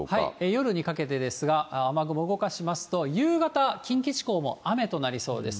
夜にかけてですが、雨雲動かしますと、夕方、近畿地方も雨となりそうです。